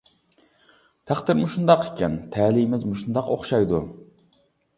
«تەقدىر مۇشۇنداق ئىكەن، تەلىيىمىز مۇشۇنداق ئوخشايدۇ» !